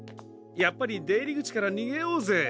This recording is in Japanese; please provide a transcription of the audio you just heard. やっぱりでいりぐちからにげようぜ。